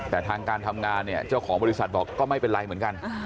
แต่ทางการทำงานเนี่ยเจ้าของบริษัทบอกก็ไม่เป็นไรเหมือนกัน